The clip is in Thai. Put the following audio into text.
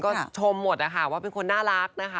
ก็ชมหมดนะคะว่าเป็นคนน่ารักนะคะ